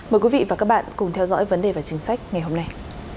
mời quý vị và các bạn cùng theo dõi vấn đề và chính sách ngày hôm nay